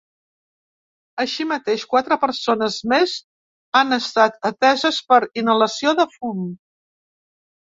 Així mateix, quatre persones més han estat ateses per inhalació de fum.